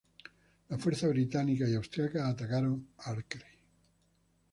Las fuerzas británicas y austriacas atacaron Acre.